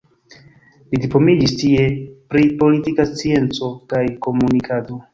Li diplomiĝis tie pri politika scienco kaj komunikado.